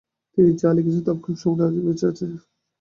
তিনি যা লিখেছিলেন তার খুব সামান্যই আজ বেঁচে আছে: